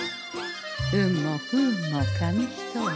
運も不運も紙一重。